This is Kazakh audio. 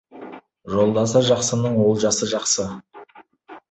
Жолдасы жақсының олжасы жақсы.